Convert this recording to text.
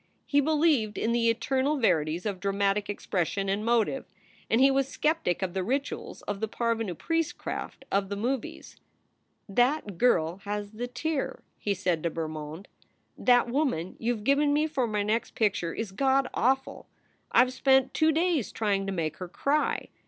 He believed in the eternal verities of dramatic expression and motive, and he was skeptic of the rituals of the parvenu priestcraft of the movies. "That girl has the tear," he said to Bermond. "That woman you ve given me for my next picture is God awful. I ve spent two days trying to make her cry.